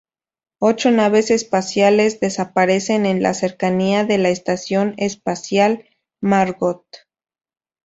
Ocho naves espaciales desaparecen en las cercanía de la estación espacial Margot.